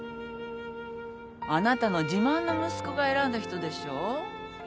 あなたの自慢の息子が選んだ人でしょう。